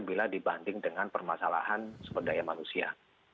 bila dibanding dengan permasalahan sumber daya manusia